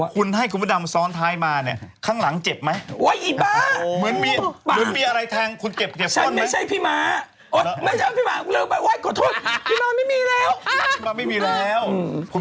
คุณรู้ได้ไงครับว่ามันเป็นการปล้น